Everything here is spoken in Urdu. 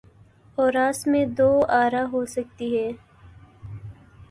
اوراس میں دو آرا ہو سکتی ہیں۔